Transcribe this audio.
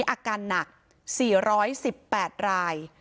ใช้สถานการณ์หนัก๔๑๘ราย